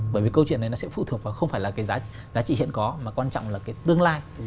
bởi vì câu chuyện này nó sẽ phụ thuộc vào không phải là cái giá trị hiện có mà quan trọng là cái tương lai